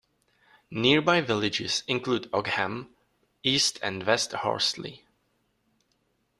Nearby villages include Ockham, East and West Horsley.